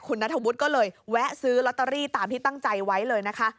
คุณนัทวุฒิก็เลยแวะซื้อลอตเตอรี่ตามที่ตั้งใจไว้เลยนะคะ